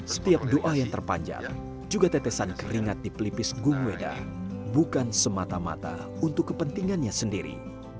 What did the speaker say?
setiap doa yang terpanjat juga tetesan keringat di pelipis gungweda bukan semata mata untuk kepentingannya sendiri